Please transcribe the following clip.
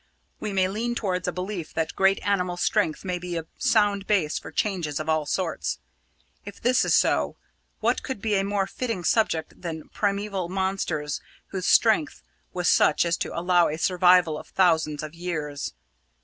We may lean towards a belief that great animal strength may be a sound base for changes of all sorts. If this be so, what could be a more fitting subject than primeval monsters whose strength was such as to allow a survival of thousands of years?